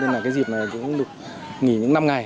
nghỉ những năm ngày